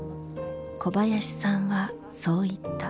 小林さんはそう言った。